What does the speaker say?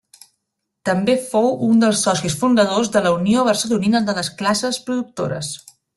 També fou un dels socis fundadors de la Unió Barcelonina de les Classes Productores.